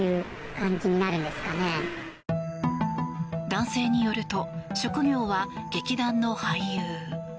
男性によると職業は劇団の俳優。